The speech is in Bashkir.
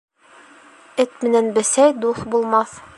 Эт менән бесәй дуҫ булмаҫ.